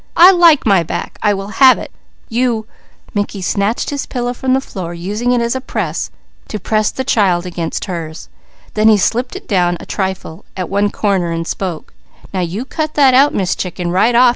I like my back! I will have it! You " Mickey snatched his pillow from the floor, using it to press the child against hers. Then he slipped it down a trifle at one corner and spoke: "Now you cut that out, Miss Chicken, right off!"